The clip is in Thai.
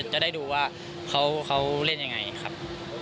จะได้ดูว่าเขาเล่นยังไงครับ